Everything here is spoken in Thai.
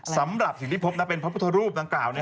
สำหรับสิ่งที่พบเป็นพระพุทธรูปดังกล่าว